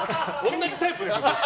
同じタイプですよ！